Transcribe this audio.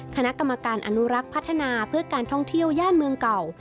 คณะกรรมการอนุรักษ์พัฒนาเพื่อการท่องเที่ยวย่านเมืองเก่า